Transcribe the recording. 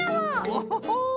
オホホ！